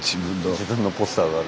自分のポスターがある。